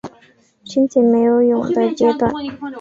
蜻蜓没有蛹的阶段。